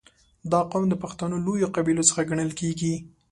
• دا قوم د پښتنو لویو قبیلو څخه ګڼل کېږي.